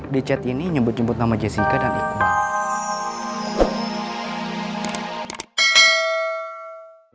di chat ini nyebut nyebut nama jessica dan iqbal